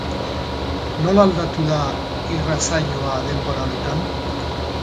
Nola aldatu da irratsaioa denbora honetan?